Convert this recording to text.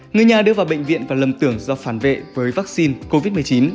người nhà đưa vào bệnh viện và lầm tưởng do phản vệ với vaccine covid một mươi chín